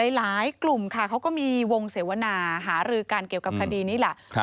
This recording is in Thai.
หลายกลุ่มค่ะเขาก็มีวงเสวนาหารือกันเกี่ยวกับคดีนี้แหละ